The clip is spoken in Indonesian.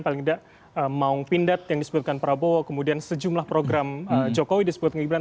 paling tidak mau pindad yang disebutkan prabowo kemudian sejumlah program jokowi disebutkan gibran